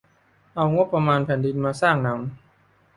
เอางบประมาณแผ่นดิน มาสร้างหนัง